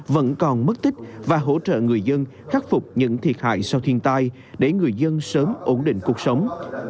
vẫn còn mất tích và hỗ trợ người dân khắc phục những thiệt hại sau thiên tai để người dân sớm ổn định cuộc sống